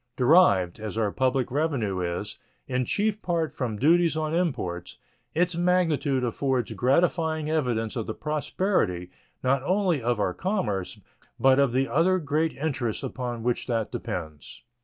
Derived, as our public revenue is, in chief part from duties on imports, its magnitude affords gratifying evidence of the prosperity, not only of our commerce, but of the other great interests upon which that depends.